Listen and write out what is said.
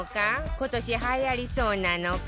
今年はやりそうなのか？